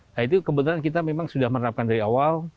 nah itu kebetulan kita memang sudah menerapkan dari awal